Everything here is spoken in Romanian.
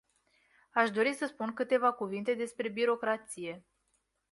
Aș dori să spun câteva cuvinte despre birocrație.